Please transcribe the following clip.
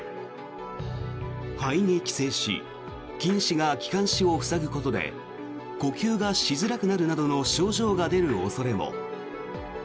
肺に寄生し菌糸が気管支を塞ぐことで呼吸がしづらくなるなどの症状が出る恐れも。